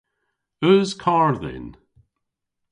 Eus karr dhyn?